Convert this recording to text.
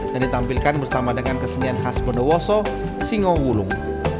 dan ditampilkan bersama dengan kesenian khas bundaoso singowulung